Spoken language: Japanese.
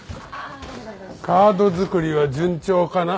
カード作りは順調かな？